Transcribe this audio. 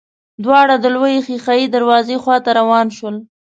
دواړه د لويې ښېښه يي دروازې خواته روان شول.